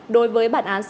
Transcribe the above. đối với bản án